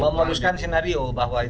memuluskan skenario bahwa itu